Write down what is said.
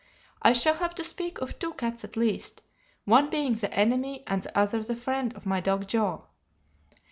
I shall have to speak of two cats at least, one being the enemy and the other the friend of my dog Joe.